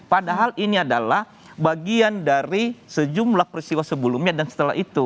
padahal ini adalah bagian dari sejumlah peristiwa sebelumnya dan setelah itu